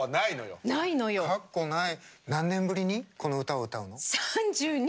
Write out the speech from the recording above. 何年ぶりに、この歌を歌うの？